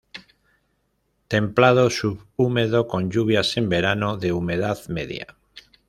Templado sub-húmedo con lluvias en verano, de humedad media.